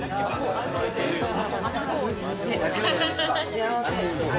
幸せ。